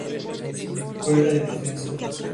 Juega de defensa.